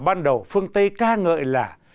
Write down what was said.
ban đầu phương tây ca ngợi là